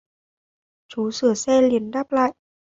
chú sửa xe liền đáp lại